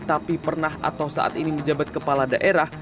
tapi pernah atau saat ini menjabat kepala daerah